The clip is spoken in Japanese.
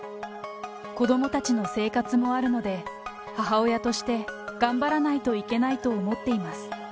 子どもたちの生活もあるので、母親として頑張らないといけないと思っています。